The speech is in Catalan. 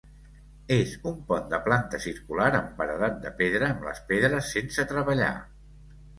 És un pont de planta circular amb paredat de pedra, amb les pedres sense treballar.